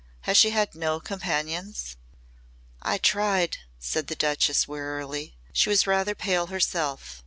Has she had no companions?" "I tried " said the Duchess wearily. She was rather pale herself.